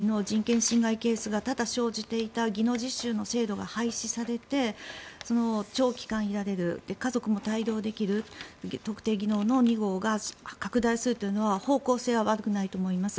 国際貢献とは名ばかりの人権侵害のケースが多々生じていた技能実習の制度が廃止されて、長期間いられる家族も帯同できる特定技能の２号が拡大するというのは方向性は悪くないと思います。